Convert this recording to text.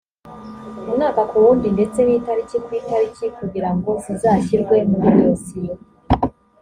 umwaka ku wundi ndetse n itariki ku itariki kugira ngo zizashyirwe muri dosiye